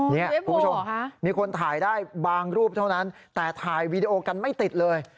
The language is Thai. นี่คุณผู้ชมมีคนถ่ายได้บางรูปเท่านั้นแต่ถ่ายวีดีโอกันไม่ติดเลย